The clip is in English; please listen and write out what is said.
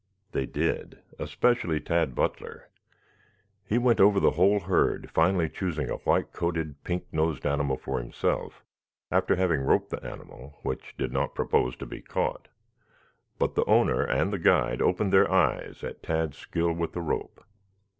They did, especially Tad Butler. He went over the whole herd, finally choosing a white coated, pink nosed animal for himself, after having roped the animal, which did not propose to be caught. Both the owner and the guide opened their eyes at Tad's skill with the rope.